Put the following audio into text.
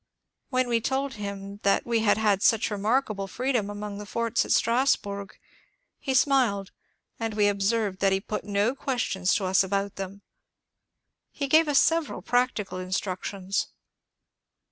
When we told him that we had had such remarkable freedom among the forts at Strasburg he smiled, and we observed that he put no questions to us about them. He gave us several practical instructions.